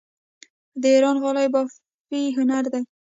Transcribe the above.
د ایران غالۍ بافي هنر دی.